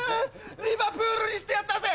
リバプールにしてやったぜ！